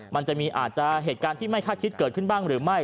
มันจะมีอาจจะเหตุการณ์ที่ไม่คาดคิดเกิดขึ้นบ้างหรือไม่